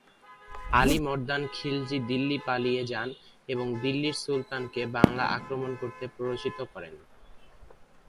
আলি মর্দান খিলজি দিল্লী পালিয়ে যান এবং দিল্লীর সুলতানকে বাংলা আক্রমণ করতে প্ররোচিত করেন।